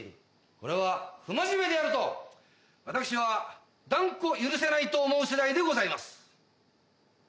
これは不真面目であると私は断固許せないと思う次第でございます。